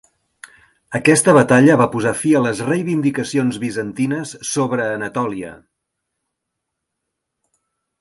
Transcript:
Aquesta batalla va posar fi a les reivindicacions bizantines sobre Anatòlia.